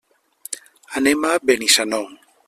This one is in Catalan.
Anem a Benissanó.